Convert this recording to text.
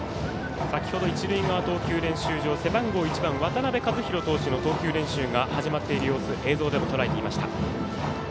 先ほど一塁側、投球練習場背番号１番、渡辺和大投手の投球練習が始まっている様子映像でもとらえていました。